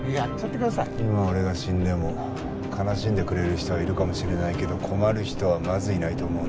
今俺が死んでも悲しんでくれる人はいるかもしれないけど困る人はまずいないと思うんで。